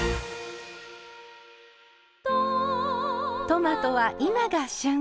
トマトは今が旬。